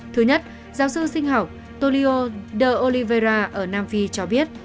thứ nhất giáo sư sinh học tolio de olivera ở nam phi cho biết